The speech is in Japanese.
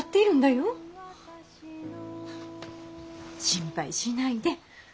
心配しないで。